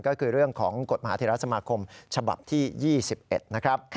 ก็คือเรื่องของกฎมหาเทราสมาคมฉบับที่๒๑นะครับ